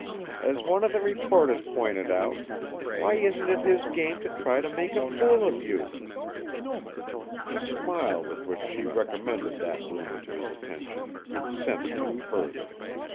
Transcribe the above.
"As one of the reporters pointed out, why isn't it his game to try to make a fool of you?" The smile with which she recommended that rumour to his attention incensed him further.